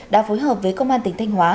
đã phối hợp với công an tỉnh thanh hóa